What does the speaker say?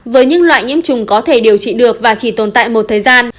với những loại nhiễm trùng có thể điều trị được và chỉ tồn tại một thời gian